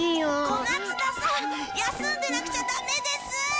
小松田さん休んでなくちゃダメです！